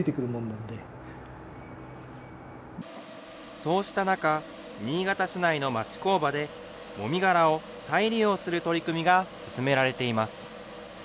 そうした中、新潟市内の町工場で、もみ殻を再利用する取り組みが進められています。